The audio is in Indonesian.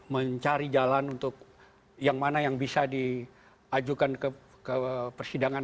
mencari jalan untuk yang mana yang bisa diajukan ke persidangan